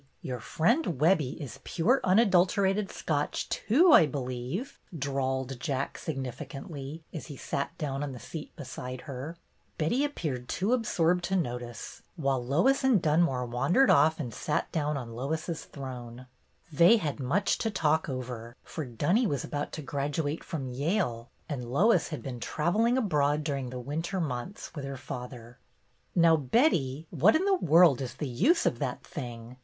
Your friend Webbie is pure unadulterated Scotch, too, I believe," drawled Jack, significantly, as he sat down on the seat beside her. Betty appeared too absorbed to notice, while Lois and Dunmore wandered off and THE COMMONPLACE BOOK 47 sat down on "Lois's Throne." They had much to talk over, for Dunny was about to graduate from Yale, and Lois had been travel ling abroad during the winter months, with her father. "Now, Betty, what in the world is the use of that thing?"